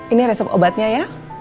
ini resep obatnya ya